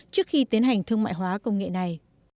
trước khi tiến hành thương mại hóa công nghệ này